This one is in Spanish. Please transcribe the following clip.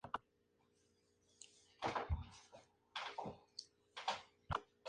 Se construye un paseo costero, dos muelles, un bar y una "enramada".